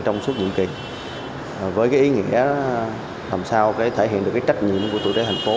trong suốt những kỳ với cái ý nghĩa làm sao thể hiện được cái trách nhiệm của tụi trẻ thành phố